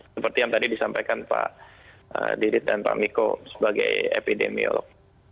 seperti yang tadi disampaikan pak didit dan pak miko sebagai epidemiolog